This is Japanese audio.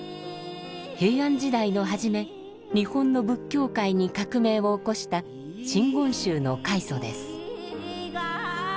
平安時代の初め日本の仏教界に革命を起こした真言宗の開祖です。